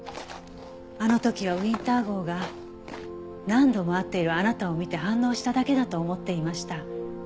あの時はウィンター号が何度も会っているあなたを見て反応しただけだと思っていました。